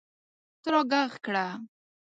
ته راږغ کړه